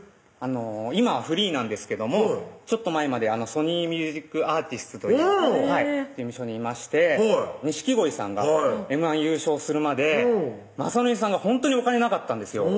今はフリーなんですけどもちょっと前までソニー・ミュージックアーティスツという事務所にいまして錦鯉さんがＭ−１優勝するまで雅紀さんがほんとにお金なかったんですよ